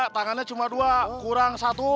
tangannya cuma dua kurang satu